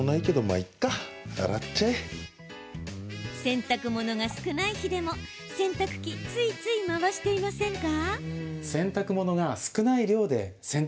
洗濯物が少ない日でも洗濯機ついつい回していませんか。